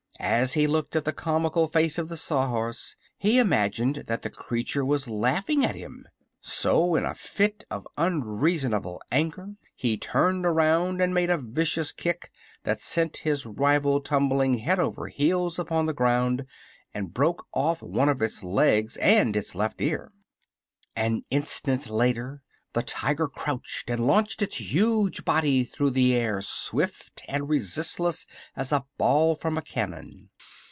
As he looked at the comical face of the Sawhorse he imagined that the creature was laughing at him; so in a fit of unreasonable anger he turned around and made a vicious kick that sent his rival tumbling head over heels upon the ground, and broke off one of its legs and its left ear. An instant later the Tiger crouched and launched its huge body through the air swift and resistless as a ball from a cannon.